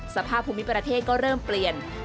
สภาพภูมิประเทศก็เริ่มเปลี่ยน